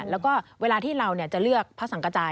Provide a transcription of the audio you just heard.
แล้วก็เวลาที่เราจะเลือกพระสังกระจาย